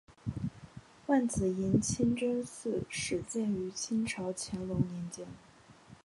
万子营清真寺始建于清朝乾隆年间。